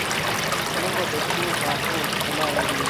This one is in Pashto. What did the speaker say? مځکه د شنو ساحو ښکلا لري.